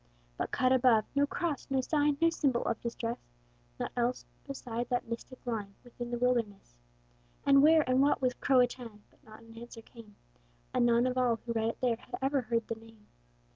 But cut above, no cross, no sign, No symbol of distress; Naught else beside that mystic line Within the wilderness! And where and what was "CRO A TÀN"? But not an answer came; And none of all who read it there Had ever heard the name.